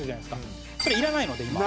それいらないので今。